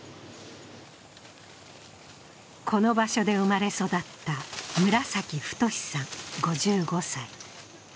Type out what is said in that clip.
この場所で生まれ育った村崎太さん５５歳。